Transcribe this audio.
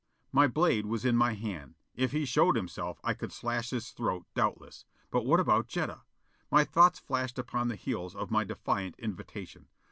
My blade was in my hand. If he showed himself I could slash his throat, doubtless. But what about Jetta? My thoughts flashed upon the heels of my defiant invitation.